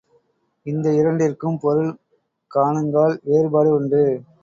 இந்த இரண்டிற்கும் பொருள் காணுங்கால் வேறுபாடு உண்டு.